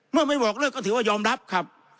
เมื่อไม่บอกเลิกก็ถือว่ายอมรับครับ